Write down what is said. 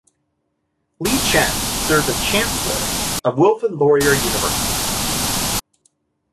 Lee-Chin served as chancellor of Wilfrid Laurier University.